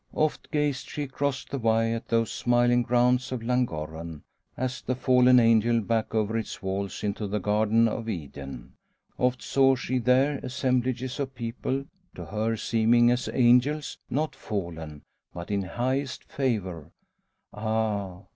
Oft gazed she across the Wye at those smiling grounds of Llangorren, as the Fallen Angel back over its walls into the Garden of Eden; oft saw she there assemblages of people to her seeming as angels, not fallen, but in highest favour ah!